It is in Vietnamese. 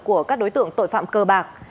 của các đối tượng tội phạm cơ bạc